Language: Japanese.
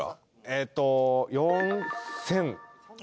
えっと４０００。